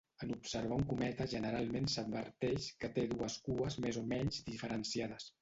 En observar un cometa generalment s'adverteix que té dues cues més o menys diferenciades.